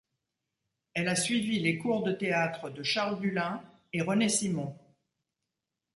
Elle a suivi les cours de théâtre de Charles Dullin et René Simon.